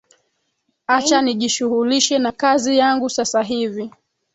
Acha nijishughulishe na kazi yangu sasa hivi.